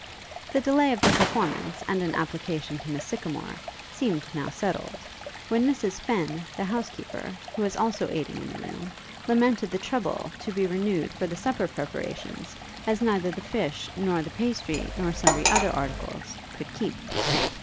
The delay of the performance, and an application to Miss Sycamore, seemed now settled, when Mrs Fenn, the housekeeper, who was also aiding in the room, lamented the trouble to be renewed for the supper preparations, as neither the fish, nor the pastry, nor sundry other articles, could keep.